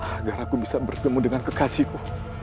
agar aku bisa bertemu dengan kekasihku